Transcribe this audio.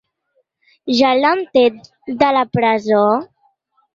Ja l’han tret de la presó?